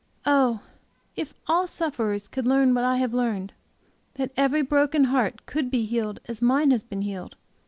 Oh, if all sufferers could learn what I have learned! that every broken heart could be healed as mine has been healed!